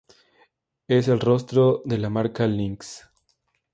Es el rostro de la marca Lynx.